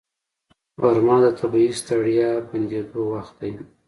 غرمه د طبیعي ستړیا بندېدو وخت دی